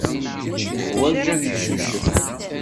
Yeḥwaj ad yeccucef.